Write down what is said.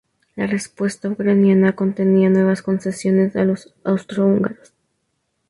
La respuesta ucraniana contenía nuevas concesiones a los austrohúngaros.